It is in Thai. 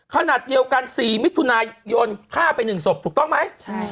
ขนาดเดียวกัน๔มิถุนายนฆ่าไป๑ศพถูกต้องไหม